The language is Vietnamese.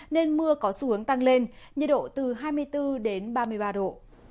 nên mưa có xu hướng tăng lên nhiệt độ từ hai mươi bốn đến ba mươi ba độ